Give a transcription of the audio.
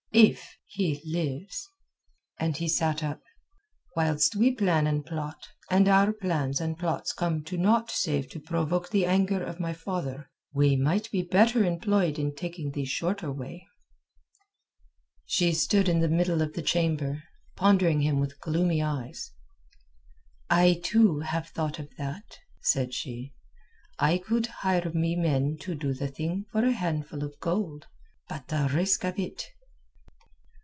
"If he lives!" And he sat up. "Whilst we plan and plot, and our plans and plots come to naught save to provoke the anger of my father, we might be better employed in taking the shorter way." She stood in the middle of the chamber, pondering him with gloomy eyes "I too have thought of that," said she. "I could hire me men to do the thing for a handful of gold. But the risk of it...."